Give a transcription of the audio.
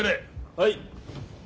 はい。